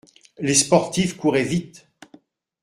Les sportifs couraient vite.